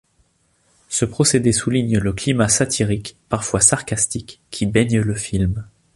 Ce procédé souligne le climat satirique, parfois sarcastique, qui baigne le film.